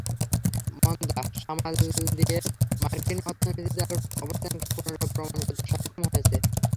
মন্দা সামাল দিয়ে মার্কিন অর্থনীতি তার অবস্থানকে পুনরায় প্রমাণ করতে সক্ষম হয়েছে।